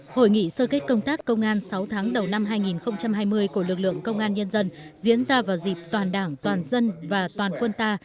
hội nghị sơ kết công tác công an sáu tháng đầu năm hai nghìn hai mươi của lực lượng công an nhân dân diễn ra vào dịp toàn đảng toàn dân và toàn quân ta